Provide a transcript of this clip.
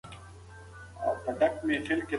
کوم خواړه عضلات قوي کوي؟